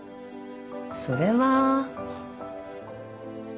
それは。